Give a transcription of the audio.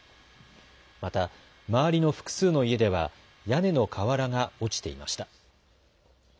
また周りの複数の家では屋根の瓦が落ちていました。